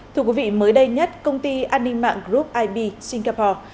thưa quý vị mới đây nhất công ty an ninh mạng group ib singapore